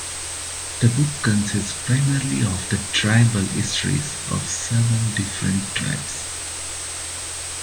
The book consists primarily of the tribal histories of seven different tribes.